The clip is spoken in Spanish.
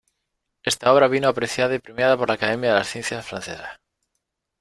Esta obra vino apreciada y premiada por la Academia de las Ciencias francesa.